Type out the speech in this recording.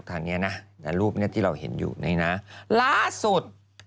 ทางนี้นะรูปเนี้ยที่เราเห็นอยู่นี่นะล่าสุด